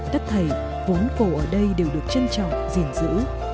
tất thầy vốn cổ ở đây đều được trân trọng gìn giữ